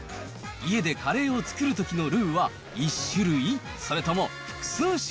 家でカレーを作るときのルーは１種類？